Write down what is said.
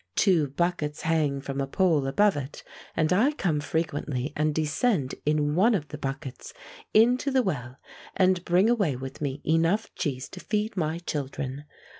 Two buckets hang from a pole above it, and I come frequently and descend in one of the buckets into the well and bring away with me enough cheese to feed my children.